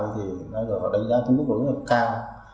thì đánh giá cũng rất là cao